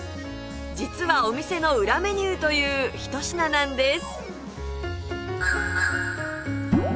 実はお店の裏メニューというひと品なんです